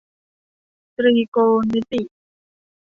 ตรีโกณมิติ